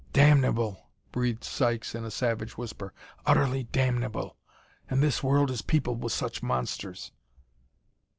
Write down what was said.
"Damnable!" breathed Sykes in a savage whisper. "Utterly damnable! And this world is peopled with such monsters!"